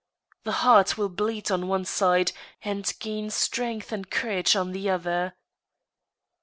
The heart will bleed on one side, and gain strength and courage on the other.